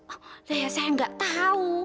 oh saya gak tau